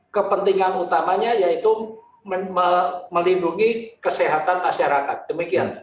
kepentingan utamanya yaitu melindungi kesehatan masyarakat demikian